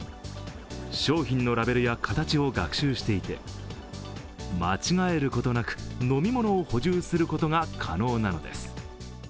商品のラベルや形を学習していて、間違えることなく飲み物を補充することが可能なのです。